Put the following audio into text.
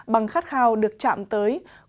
bằng khát khao được chạm tới